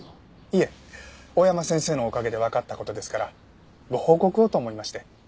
いえ大山先生のおかげでわかった事ですからご報告をと思いまして。